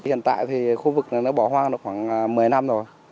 hiện tại thì khu vực nó bỏ hoang khoảng một mươi năm rồi